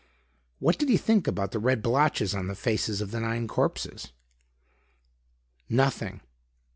"What did he think about the red blotches on the faces of the nine corpses?" "Nothing.